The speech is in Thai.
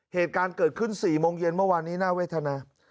เหตุการณ์เกิดขึ้น๔โมงเย็นเมื่อวานนี้น่าเวทนา